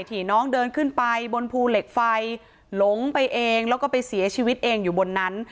ที่น้องเดินขึ้นไปบนภูเหล็กไฟหลงไปเองแล้วก็ไปเสียชีวิตเองอยู่บนนั้น